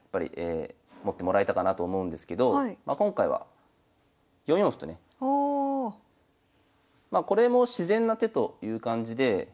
持ってもらえたかなと思うんですけど今回は４四歩とねまあこれも自然な手という感じで。